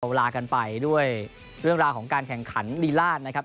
เวลากันไปด้วยเรื่องราวของการแข่งขันลีลาดนะครับ